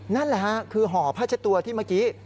นั่นแหละฮะคือห่อผ้าเช็ดตัวที่เมื่อกี้